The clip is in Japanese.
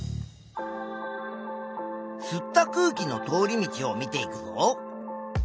吸った空気の通り道を見ていくと。